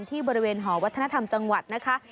ที่บริเวณหอวัฒนธรรมจังหวัดนะคะ